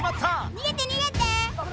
逃げて逃げて！